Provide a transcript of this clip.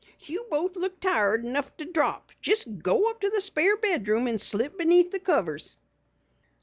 "You both look tired enough to drop. Just go up to the spare bedroom and slip beneath the covers."